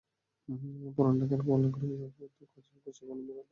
পুরান ঢাকার গোয়ালনগরে গৃহবধূ কাজল ঘোষ এখন ভোররাতেই রান্নার কাজ শেষ করেন।